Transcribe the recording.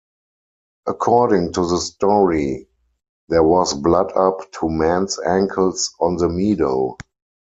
According to the story, there was blood up to man's ankles on the meadow.